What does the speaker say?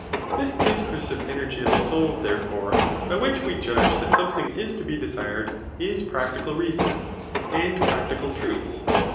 This discursive energy of the soul, therefore, [by which we judge that some thing is to be desired] is practical reason, and practical truth.